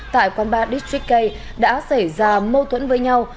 tại quán bar districk k đã xảy ra mâu thuẫn với nhau